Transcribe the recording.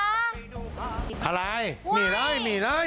อะไรมีอะไรมีอะไร